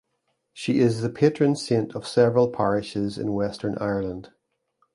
She is the patron saint of several parishes in western Ireland.